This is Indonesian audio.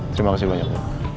terima kasih banyak